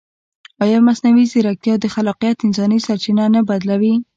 ایا مصنوعي ځیرکتیا د خلاقیت انساني سرچینه نه بدلوي؟